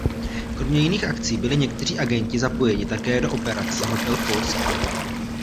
Kromě jiných akcí byli někteří agenti zapojeni také do operace Hotel Polski.